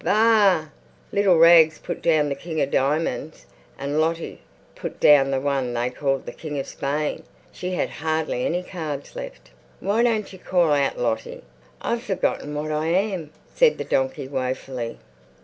Baa! Little Rags put down the King of Diamonds and Lottie put down the one they called the King of Spain. She had hardly any cards left. "Why don't you call out, Lottie?" "I've forgotten what I am," said the donkey woefully.